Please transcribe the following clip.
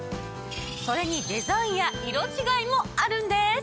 それにデザインや色違いもあるんです！